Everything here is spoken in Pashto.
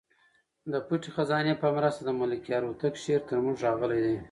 د پټې خزانې په مرسته د ملکیار هوتک شعر تر موږ راغلی دی.